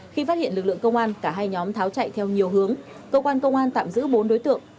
khi phát hiện lực lượng công an cả hai nhóm tháo chạy theo nhiều hướng cơ quan công an tạm giữ bốn đối tượng